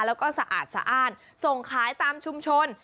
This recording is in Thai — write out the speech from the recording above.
แล้วก็สะอาดส่งขายตามชุมชน